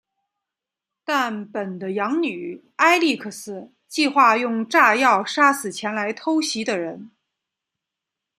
但本的养女艾莉克斯计划用炸药杀死前来偷袭的人。